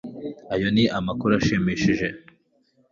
Ayo ni amakuru ashimishije.